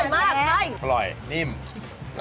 น้ำจิ้มแบบ